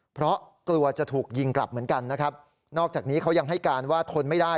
เพราะกลัวจะถูกยิงกลับเหมือนกันนะครับนอกจากนี้เขายังให้การว่าทนไม่ได้